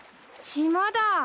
島だ！